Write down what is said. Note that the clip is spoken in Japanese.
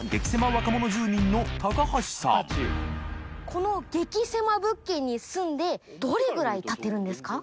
この激セマ物件に住んで匹譴阿蕕たってるんですか？